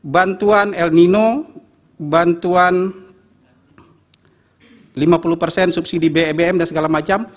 bantuan el nino bantuan lima puluh persen subsidi bbm dan segala macam